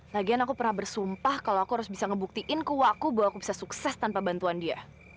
lagian aku pernah bersumpah kalau aku harus bisa ngebuktiin kuah aku bahwa aku bisa sukses tanpa bantuan dia